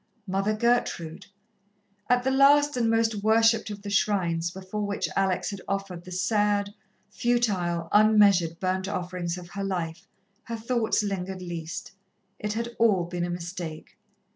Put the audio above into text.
Mother Gertrude. At the last and most worshipped of the shrines before which Alex had offered the sad, futile, unmeasured burnt offerings of her life, her thoughts lingered least. It had all been a mistake.